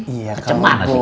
iya kalau boleh